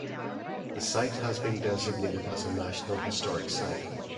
The site has been designated as a National Historic Site.